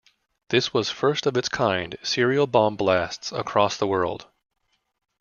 This was first of its kind serial-bomb-blasts across the world.